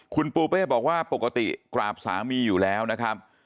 คุณปูเป้บอกว่าปกติกราบสามีอยู่แล้วนะครับ